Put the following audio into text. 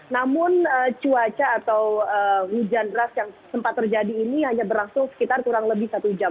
namun cuaca atau hujan deras yang sempat terjadi ini hanya berlangsung sekitar kurang lebih satu jam